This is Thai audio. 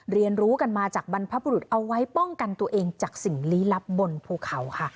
เรียนรู้กันมาจากบรรพบุรุษเอาไว้ป้องกันตัวเองจากสิ่งลี้ลับบนภูเขาค่ะ